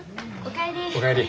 お帰り。